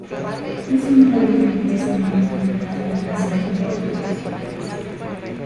Es uno de los derechos humanos de primera generación o derechos civiles.